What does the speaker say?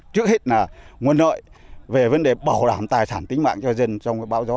trước hết là nguồn lợi về vấn đề bảo đảm tài sản tính mạng cho dân trong bão gió